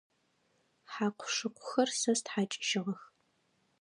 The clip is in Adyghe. Хьакъу-шыкъухэр сэ стхьакӏыжьыгъэх.